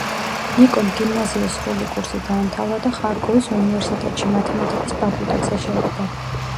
ნიკომ გიმნაზიის სრული კურსი დაამთავრა და ხარკოვის უნივერსტეტში, მათემატიკის ფაკულტეტზე შევიდა.